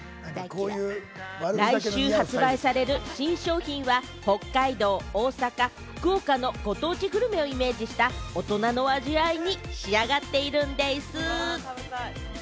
来週発売される新商品は北海道、大阪、福岡のご当地グルメをイメージした大人の味わいに仕上がっているんでぃす。